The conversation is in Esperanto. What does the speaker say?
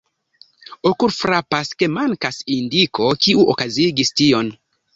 Okulfrapas, ke mankas indiko, kiu okazigis tion.